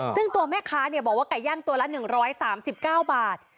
ซึ่งตัวแม่ค้าเนี่ยบอกว่าไก่ย่างตัวละหนึ่งร้อยสามสิบเก้าบาท